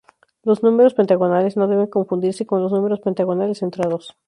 Los números pentagonales no deben confundirse con los números pentagonales centrados.